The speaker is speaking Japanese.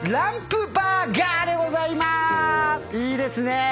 いいですね！